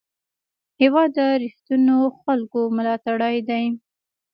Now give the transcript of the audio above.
هېواد د رښتینو خلکو ملاتړی دی.